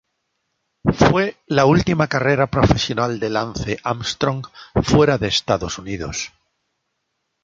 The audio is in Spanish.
Fue la última carrera profesional de Lance Armstrong fuera de Estados Unidos.